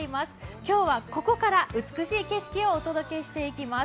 今日はここから美しい景色をお伝えしていきます。